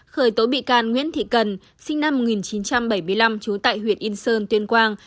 khởi tố bị can nguyễn thị cần sinh năm một nghìn chín trăm bảy mươi năm trú tại huyện yên sơn tuyên quang